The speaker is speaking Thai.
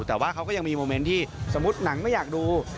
แต่ว่าเขาก็ยังมีโมเมนต์ที่สมมุติหนังไม่อยากดู